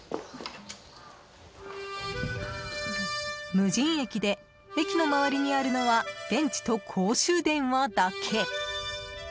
無人駅で、駅の周りにあるのはベンチと公衆電話だけ。